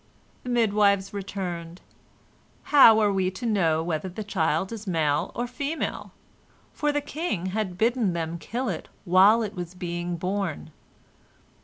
The midwives returned: "How are we to know whether the child is male or female?" for the king had bidden them kill it while it was being born.